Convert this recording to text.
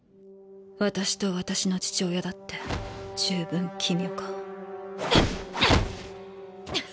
私と私の父親だって十分奇妙かフッ！